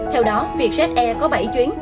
theo đó việc ze có bảy chuyến